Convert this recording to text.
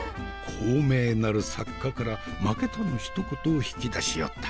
高名なる作家から負けたのひと言を引き出しよった。